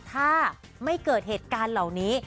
ถ้าไม่เกิดเหตุการณ์เหล่านี้